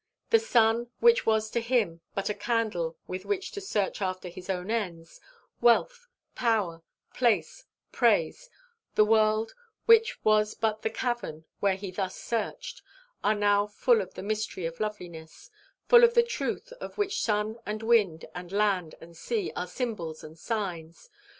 The sun, which was to him but a candle with which to search after his own ends, wealth, power, place, praise the world, which was but the cavern where he thus searched are now full of the mystery of loveliness, full of the truth of which sun and wind and land and sea are symbols and signs.